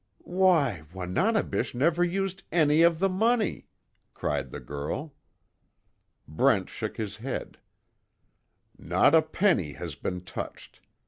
"Why, Wananebish never used any of the money!" cried the girl. Brent shook his head: "Not a penny has been touched.